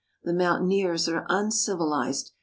The moun taineers are uncivilized.